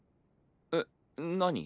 えっ何？